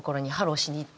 しに行って。